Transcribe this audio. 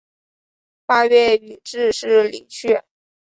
八月予致仕离去。